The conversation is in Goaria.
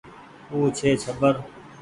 او ڇي ڇٻر ۔